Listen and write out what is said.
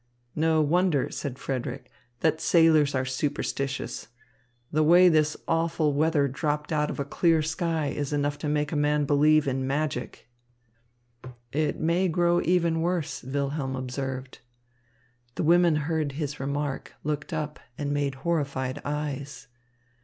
"No wonder," said Frederick, "that sailors are superstitious. The way this awful weather dropped out of a clear sky is enough to make a man believe in magic." "It may even grow worse," Wilhelm observed. The women heard his remark, looked up, and made horrified eyes.